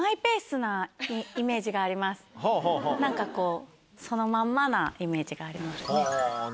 何かこうそのまんまなイメージがあります。